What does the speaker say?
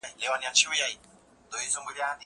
زه به اوږده موده ځواب ليکلی وم!